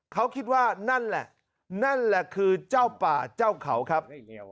เขาคิดว่านั่นแหละนั่นแหละคือเจ้าป่าเจ้าเขาครับ